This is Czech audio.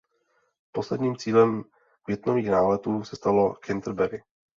Posledním cílem květnových náletů se stalo Canterbury.